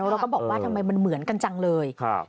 เราก็บอกว่าทำไมมันเหมือนกันจังเลย